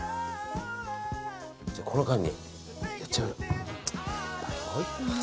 じゃあ、この間にやっちゃう。